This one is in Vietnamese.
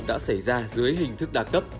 đã xảy ra dưới hình thức đa cấp